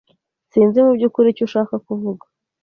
Sinzi mubyukuri icyo ushaka kuvuga.